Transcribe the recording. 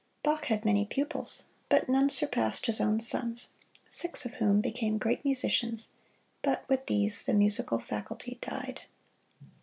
Bach had many pupils, but none surpassed his own sons, six of whom became great musicians, but with these the musical faculty died.